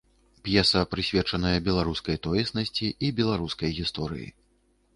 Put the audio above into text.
П'еса прысвечаная беларускай тоеснасці і беларускай гісторыі.